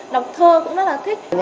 đọc thơ cũng rất là thích